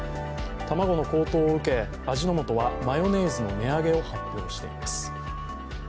卵の高騰を受け、味の素はマヨネーズの値上げを発表しています。